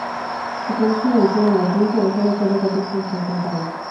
Se conoce una edición en latín, pero solo quedan capítulos fragmentados.